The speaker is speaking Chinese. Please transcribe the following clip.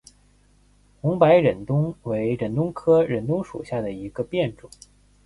红白忍冬为忍冬科忍冬属下的一个变种。